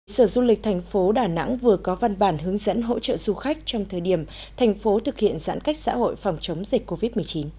sở du lịch thành phố đà nẵng vừa có văn bản hướng dẫn hỗ trợ du khách trong thời điểm thành phố thực hiện giãn cách xã hội phòng chống dịch covid một mươi chín